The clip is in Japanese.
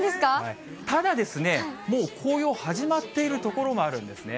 ただですね、もう紅葉始まっている所もあるんですね。